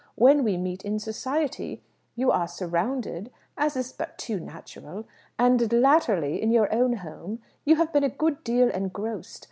When we meet in society, you are surrounded, as is but too natural. And latterly, in your own home, you have been a good deal engrossed.